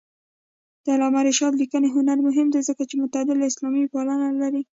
د علامه رشاد لیکنی هنر مهم دی ځکه چې معتدله اسلاميپالنه لري.